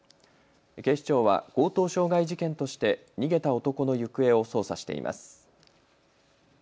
警視庁は強盗傷害事件として逃げた男の行方を捜査しています。